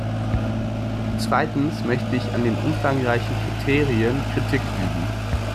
Zweitens möchte ich an den umfangreichen Kriterien Kritik üben.